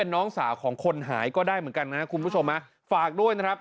น้องสาวของคนหายก็ได้เหมือนกันนะครับคุณผู้ชมฮะฝากด้วยนะครับ